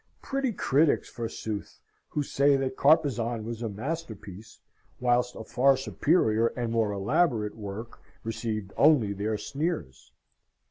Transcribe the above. Pretty critics, forsooth, who said that Carpezan was a masterpiece, whilst a far superior and more elaborate work received only their sneers!